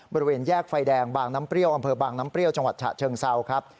บริเวณแยกไฟแดงบางน้ำเปรี้ยวอำเภอบางน้ำเปรี้ยวจังหวัดฉะเชิงเซาครับ